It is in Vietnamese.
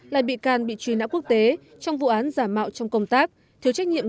lại bị can bị truy nã quốc tế trong vụ án giả mạo trong công tác thiếu trách nhiệm